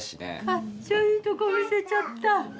かっちょいいとこ見せちゃった。